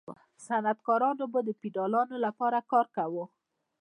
صنعتکارانو به د فیوډالانو لپاره کار کاوه.